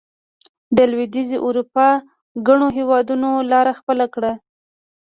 د لوېدیځې اروپا ګڼو هېوادونو لار خپله کړه.